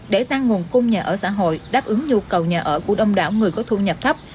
để tăng nguồn cung nhà ở xã hội đáp ứng nhu cầu nhà ở của đông đảo người có thu nhập thấp